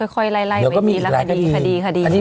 ค่อยล่ายไว้คดีคดีคดี